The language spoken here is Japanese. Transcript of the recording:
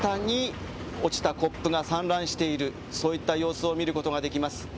下に落ちたコップが散乱している、そういった様子を見ることができます。